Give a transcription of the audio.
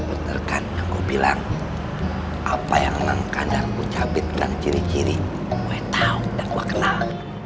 betul kan aku bilang apa yang mengandalku cabitkan ciri ciri gue tahu dan gue kenal